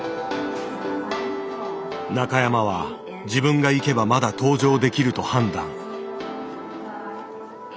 中山は自分が行けばまだ搭乗できると判断。